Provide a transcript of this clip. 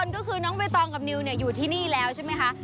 ก็คือน้องใบตองกับนิวอยู่ที่นี่แล้วใช่ไหมคะ